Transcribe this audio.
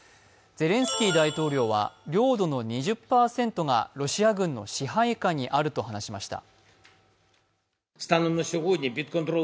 ゼレンスキー大統領は領土の２０％がロシア軍の支配下にあると話しました。